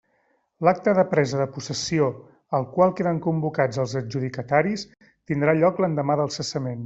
L'acte de presa de possessió, al qual queden convocats els adjudicataris, tindrà lloc l'endemà del cessament.